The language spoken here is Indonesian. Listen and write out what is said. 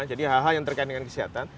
jadi hal hal yang terkait dengan kesehatan